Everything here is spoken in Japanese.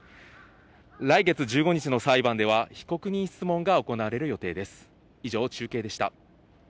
来月１５日の裁判では被告人質問が行われる予定です。